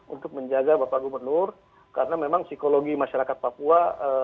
untuk menjaga bapak gubernur karena memang psikologi masyarakat papua